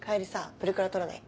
プリクラ撮らない？